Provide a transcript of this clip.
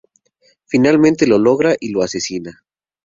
Finalmente lo logra y lo asesina.